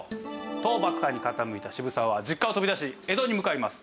倒幕派に傾いた渋沢は実家を飛び出し江戸に向かいます。